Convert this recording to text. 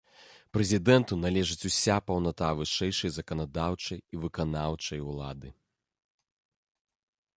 Прэзідэнту належыць уся паўната вышэйшай заканадаўчай і выканаўчай улады.